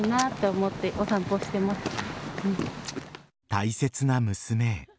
大切な娘へ。